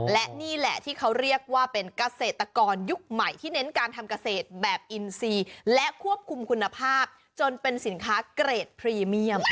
และนี่แหละที่เขาเรียกว่าเป็นเกษตรกรยุคใหม่ที่เน้นการทำเกษตรแบบอินซีและควบคุมคุณภาพจนเป็นสินค้าเกรดพรีเมียม